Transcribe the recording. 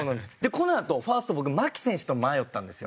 このあとファースト僕牧選手と迷ったんですよ。